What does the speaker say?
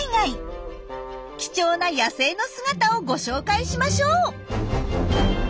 貴重な野生の姿をご紹介しましょう。